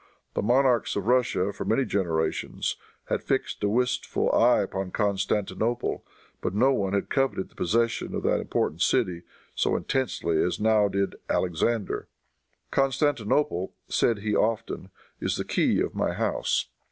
The monarchs of Russia, for many generations, had fixed a wistful eye upon Constantinople, but no one had coveted the possession of that important city so intensely as now did Alexander. "Constantinople," said he often, "is the key of my house."